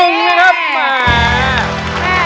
๑นะครับ